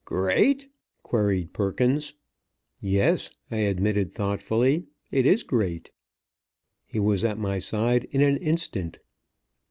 "Great?" queried Perkins. "Yes," I admitted thoughtfully, "it is great." He was at my side in an instant.